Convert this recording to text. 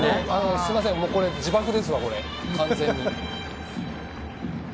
すみません、これ自爆ですわ、完全に。